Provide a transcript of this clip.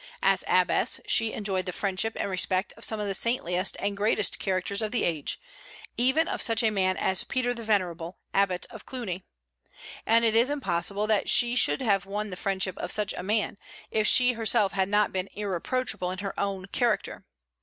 As abbess, she enjoyed the friendship and respect of some of the saintliest and greatest characters of the age, even of such a man as Peter the Venerable, abbot of Cluny. And it is impossible that she should have won the friendship of such a man, if she herself had not been irreproachable in her own character.